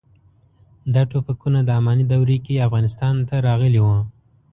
دا ټوپکونه د اماني دورې کې افغانستان ته راغلي وو.